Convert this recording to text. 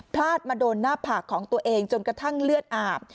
พลาดมาโดนหน้าผากของตัวเองจนกระทั่งเลือดอาบ